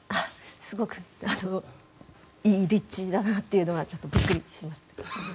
すごくいい立地だなというのはちょっとびっくりしました。